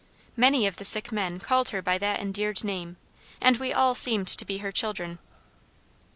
Many of the sick men called her by that endeared name, and we all seemed to be her children.